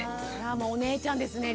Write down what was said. もうお姉ちゃんですね